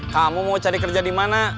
kamu mau cari kerja di mana